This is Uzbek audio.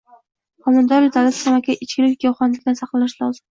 Homiladorlik davrida tamaki, ichkilik, giyohvandlikdan saqlanish lozim.